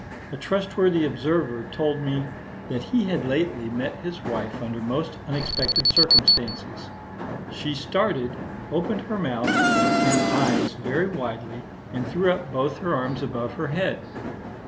A trustworthy observer told me that he had lately met his wife under most unexpected circumstances: "She started, opened her mouth and eyes very widely, and threw up both her arms above her head."